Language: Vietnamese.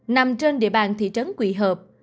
nằm trên địa bàn thị trấn quy hợp